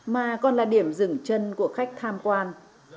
mà còn là điểm dừng chân của khách tham quan